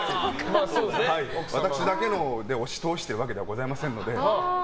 私だけで押し通しているわけではございませんので。